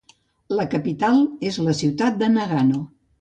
La capital és la ciutat de Nagano.